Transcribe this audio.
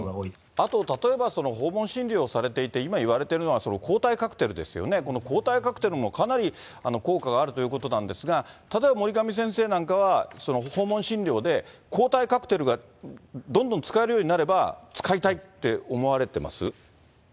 あと、例えば訪問診療されていて、今いわれてるのは抗体カクテルですよね、この抗体カクテルもかなり効果があるということなんですが、例えば守上先生なんかは、訪問診療で抗体カクテルがどんどん使えるようになれば使いたいって思われてます？